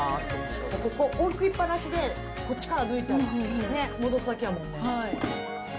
置きっぱなしで、こっちから抜いたら戻すだけやもんね。